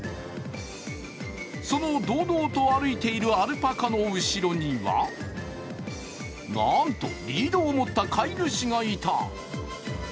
その堂々と歩いているアルパカの後ろにはなんとリードを持った飼い主がいた。